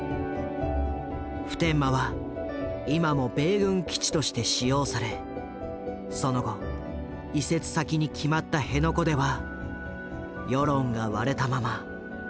普天間は今も米軍基地として使用されその後移設先に決まった辺野古では世論が割れたまま埋め立てが進んでいる。